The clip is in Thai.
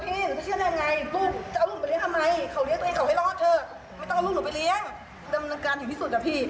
มันไม่ใช่มันพูดไม่ได้ทำพูดได้พูดได้